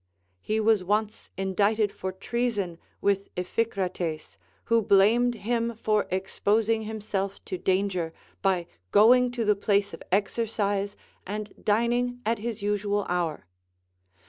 He was once indicted for treason Avith Iphicrates, Avho blamed him for exposing himself to danger, by going to the place of exercise, and dining at his usual hour.